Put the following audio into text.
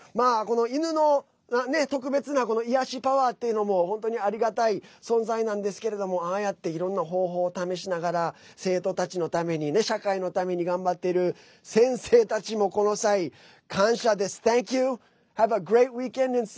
犬の特別な癒やしパワーっていうのも本当にありがたい存在なんですけれどもああやっていろんな方法を試しながら生徒たちのために、社会のために頑張っている先生たちもこの際、感謝です。